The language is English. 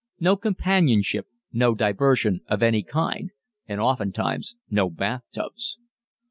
No companionship, no diversion of any kind, and oftentimes no bathtubs."